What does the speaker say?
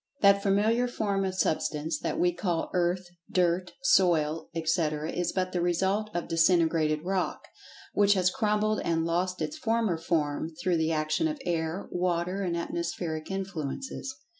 That familiar form of Substance that we call "earth," "dirt," "soil," etc., is but the result of disintegrated rock, which has crumbled and lost its former form through the action of air, water and atmospheric influences.